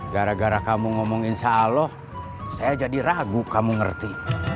gara gara kamu ngomong insya allah saya jadi ragu kamu ngerti